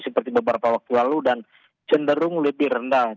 seperti beberapa waktu lalu dan cenderung lebih rendah